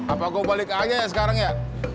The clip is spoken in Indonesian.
apa kau balik aja ya sekarang ya